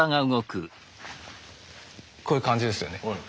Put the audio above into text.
こういう感じですよね。